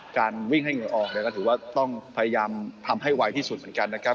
การวิ่งให้เหงื่อออกเนี่ยก็ถือว่าต้องพยายามทำให้ไวที่สุดเหมือนกันนะครับ